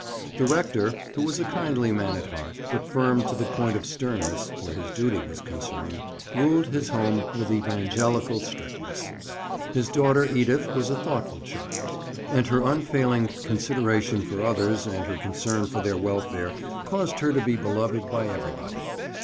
The rector, who was a kindly man at heart, but firm to the point of sternness where his duty was concerned, ruled his home with evangelical strictness. His daughter Edith was a thoughtful child; and her unfailing consideration for others and her concern for their welfare caused her to be beloved by everybody.